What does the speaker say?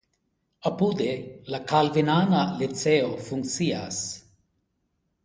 Apude la kalvinana liceo funkcias.